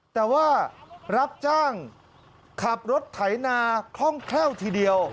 แต่ว่ารับจ้างขับรถไถนาคล่องแคล่วทีเดียว